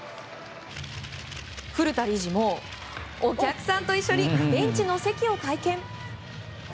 古田理事もお客さんと一緒にベンチの席を体験。